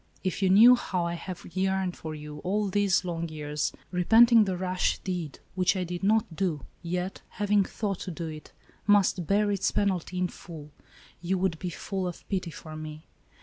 If you knew how I have yearned for you, all these long years, repenting the rash deed, which I did not do, yet, having thought to do it, must bear its penalty in full, you would be full of pity for me.